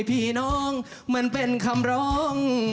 พี่น้องมันเป็นคำร้อง